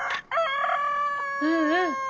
うんうん。